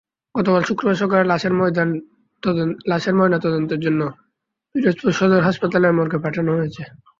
গতকাল শুক্রবার সকালে লাশের ময়নাতদন্তের জন্য পিরোজপুর সদর হাসপাতালের মর্গে পাঠানো হয়েছে।